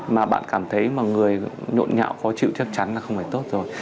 mà bạn cảm thấy mà người nhộn nhạo khó chịu chắc chắn là không phải tốt rồi